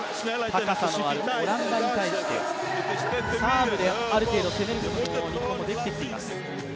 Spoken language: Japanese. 高さのあるオランダに対して、サーブである程度、攻めることも日本ができてきています。